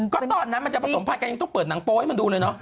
ก็ตอนนั้นมันจะผสมพันธ์ยังต้องเปิดหนังโป๊ให้มันดูเลยเนาะ